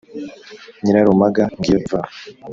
Nyirarumaga ngiyo imvaho,